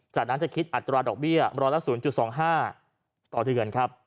จากนั้นจะคิดอัตราดอกเบี้ยร้อยละ๐๒๕ต่อเดือนครับ